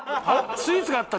スイーツがあった。